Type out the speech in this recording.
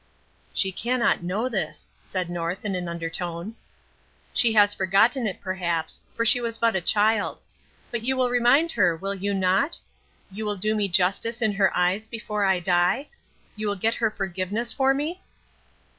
"She cannot know this," said North in an undertone. "She has forgotten it, perhaps, for she was but a child. But you will remind her, will you not? You will do me justice in her eyes before I die? You will get her forgiveness for me?"